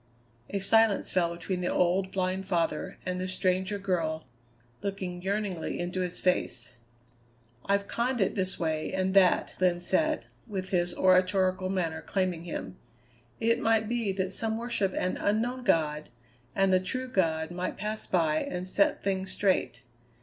'" A silence fell between the old, blind father and the stranger girl looking yearningly into his face. "I've conned it this way and that," Glenn said, with his oratorical manner claiming him. "It might be that some worship an Unknown God and the true God might pass by and set things straight.